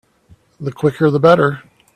The quicker the better.